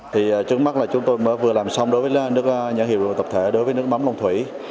thì trước mắt là chúng tôi mới vừa làm xong đối với nhãn hiệu tập thể đối với nước mắm long thủy